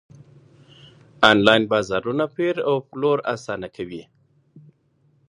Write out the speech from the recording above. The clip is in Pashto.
انلاين بازارونه پېر او پلور اسانه کوي.